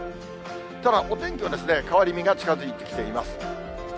ただ、お天気はですね、変わり目が近づいてきています。